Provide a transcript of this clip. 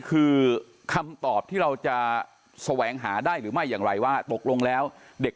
คือคำตอบที่เราจะแสวงหาได้หรือไม่อย่างไรว่าตกลงแล้วเด็ก